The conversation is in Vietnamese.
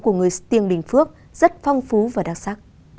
của người sư tiêng bình phước rất phong phú và đặc sắc